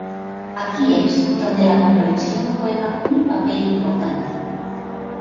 Aquí es donde la comprensión juega un papel importante.